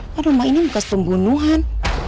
padahal rumah ini bukan sepembunuhan